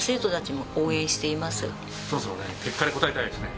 そろそろね結果に応えたいですね